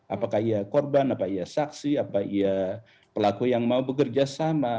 apakah ia korban apakah ia saksi apakah ia pelaku yang mau bekerja sama